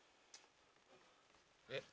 えっ？